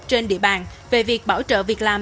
trên địa bàn về việc bảo trợ việc làm